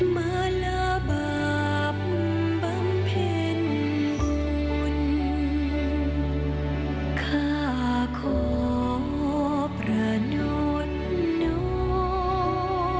มาลาบาปบำเพ็ญบุญข้าขอประดนโน